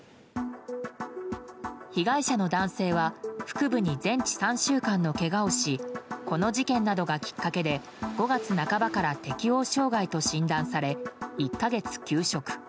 被害者の男性は腹部に全治３週間のけがをしこの事件などがきっかけで５月半ばから適応障害と診断され１か月休職。